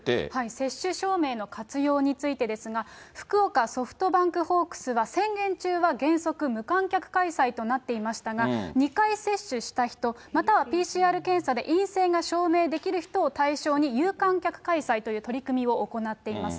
接種証明の活用についてですが、福岡ソフトバンクホークスは、宣言中は原則無観客開催となっていましたが、２回接種した人、またはＰＣＲ検査で陰性が証明できる人を対象に有観客開催という取り組みを行っています。